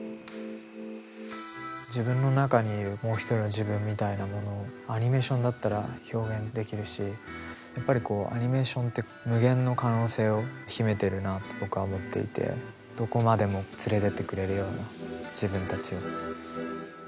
自分の中にいるもう１人の自分みたいなものをアニメーションだったら表現できるしやっぱりアニメーションって無限の可能性を秘めてるなと僕は思っていてどこまでも連れてってくれるような自分たちを。